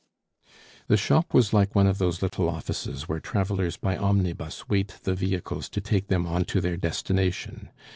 _ The shop was like one of those little offices where travelers by omnibus wait the vehicles to take them on to their destination.